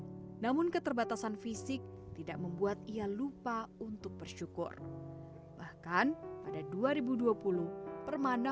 namun keterbatasan fisik tidak membuat ia lupa untuk bersyukur bahkan pada dua ribu dua puluh permana